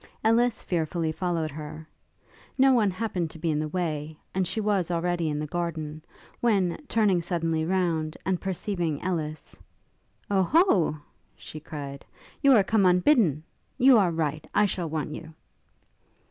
Ellis fearfully followed her. No one happened to be in the way, and she was already in the garden, when, turning suddenly round, and perceiving Ellis, 'Oh ho!' she cried, 'you come unbidden? you are right; I shall want you.'